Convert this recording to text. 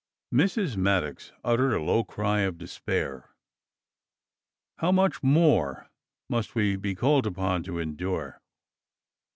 Mrs. Maddox uttered a low cry of despair. "How much more must we be called upon to endure?"